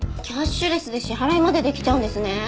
キャッシュレスで支払いまでできちゃうんですね。